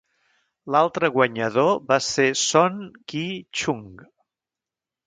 L'altre guanyador va ser Sohn Kee-chung.